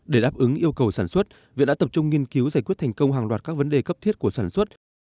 để đáp ứng yêu cầu sản xuất viện đã tập trung nghiên cứu giải quyết thành công hàng loạt các vấn đề cấp thiết của sản xuất